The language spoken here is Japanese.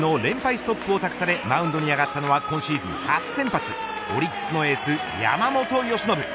ストップを託されマウンドに上がったのは今シーズン初先発オリックスのエース、山本由伸。